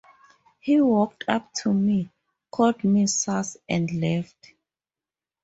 He walked up to me, called me "sus", and left!